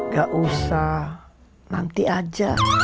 gak usah nanti aja